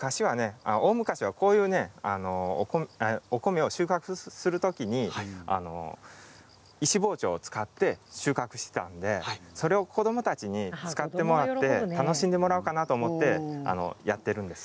大昔は、こういうお米を収穫するときに石包丁を使って収穫していたのでそれを、子どもたちに使ってもらって楽しんでもらおうかなと思ってやっているんです。